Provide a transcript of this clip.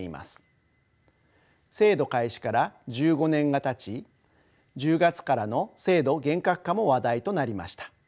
制度開始から１５年がたち１０月からの制度厳格化も話題となりました。